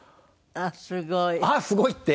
「あっすごい！」って